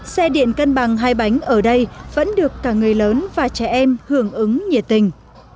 xe điện cân bằng hai bánh ở đây vẫn được cả người lớn và trẻ em hưởng ứng nhiệt tình